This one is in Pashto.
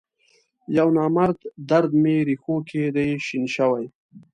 یونامرد درد می رېښوکې دی شین شوی